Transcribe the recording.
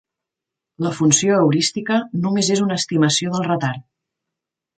La funció heurística només és una estimació del retard.